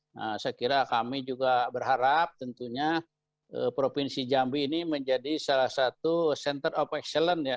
nah saya kira kami juga berharap tentunya provinsi jambi ini menjadi salah satu center of excellence ya